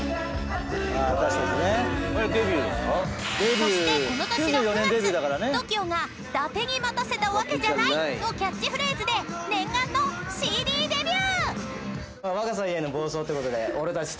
［そしてこの年の９月ＴＯＫＩＯが「ダテに待たせたワケじゃない」のキャッチフレーズで念願のＣＤデビュー！］